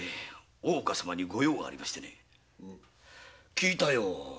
聞いたよ。